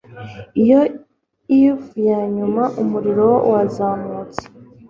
Iyo eve yanyuma umuriro wazamutse